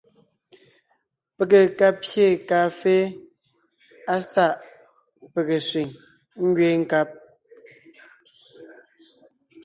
Pege ka pyé kàafé á sáʼ pege sẅiŋ ngẅeen nkab.